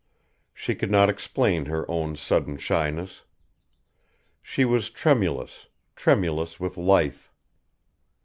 She could not explain her own sudden shyness. She was tremulous, tremulous with life.